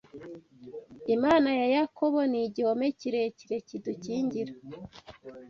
Imana ya Yakobo ni igihome kirekire kidukingira